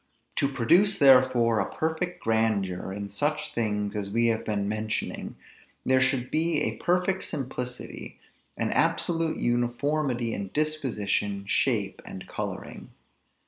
To produce therefore a perfect grandeur in such things as we have been mentioning, there should be a perfect simplicity, an absolute uniformity in disposition, shape, and coloring.